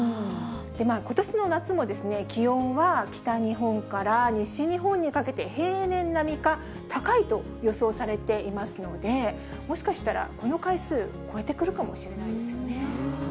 ことしの夏も、気温は北日本から西日本にかけて、平年並みか高いと予想されていますので、もしかしたらこの回数、超えてくるかもしれないんですよね。